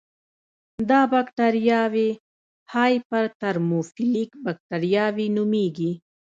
دا بکټریاوې هایپر ترموفیلیک بکټریاوې نومېږي.